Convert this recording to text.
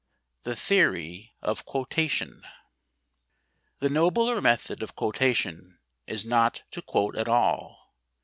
THE THEORY OF QUOTATION The nobler method of quotation is not to quote at all.